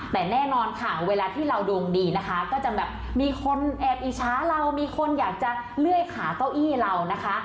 แต่แน่นอนค่ะเวลาที่เราดวงดีนะคะก็จะแบบมีคนแอบอิจฉาเรามีคนอยากจะเลื่อยขาเก้าอี้เรานะคะ